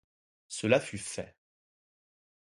Cela fut fait.